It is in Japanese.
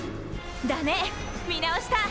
だね見直した！